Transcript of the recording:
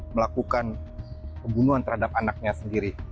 melakukan pembunuhan terhadap anaknya sendiri